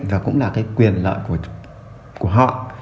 và cũng là cái quyền lợi của họ